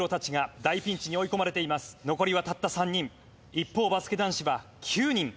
一方バスケ男子は９人。